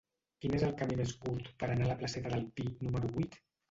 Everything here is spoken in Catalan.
Quin és el camí més curt per anar a la placeta del Pi número vuit?